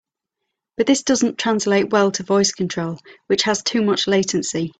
But this doesn't translate well to voice control, which has too much latency.